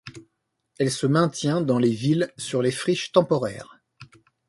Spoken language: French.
Elle se maintient dans les villes sur les friches temporaires.